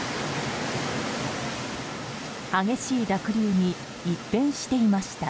激しい濁流に一変していました。